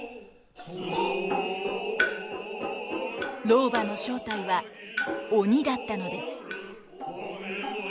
老婆の正体は鬼だったのです。